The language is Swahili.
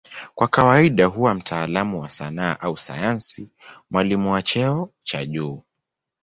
Kwa kawaida huwa mtaalamu wa sanaa au sayansi, mwalimu wa cheo cha juu.